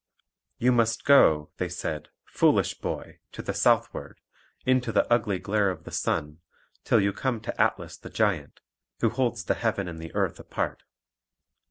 "You must go," they said, "foolish boy, to the southward, into the ugly glare of the sun, till you come to Atlas the Giant, who holds the heaven and the earth apart.